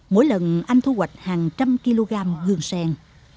mỗi lần anh thu hoạch hàng trăm kg gương sen